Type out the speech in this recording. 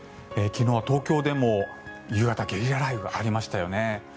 昨日は東京でも夕方ゲリラ雷雨がありましたよね。